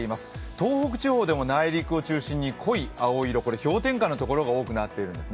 東北地方でも内陸を中心に濃い青色、氷点下の所が多くなっているんです。